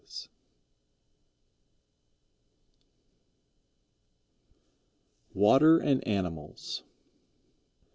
ANON. WATER AND ANIMALS.